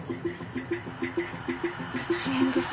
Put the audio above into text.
１円です。